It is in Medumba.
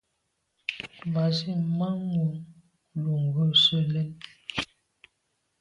Mba zit manwù lo ghù se lèn.